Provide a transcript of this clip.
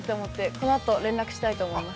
このあと連絡したいと思います。